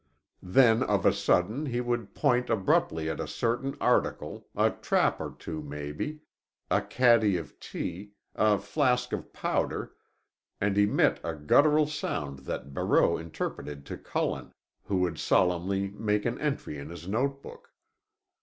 Then of a sudden he would point abruptly to a certain article, a trap or two, maybe, a caddy of tea, a flask of powder, and emit a guttural sound that Barreau interpreted to Cullen, who would solemnly make an entry in his notebook.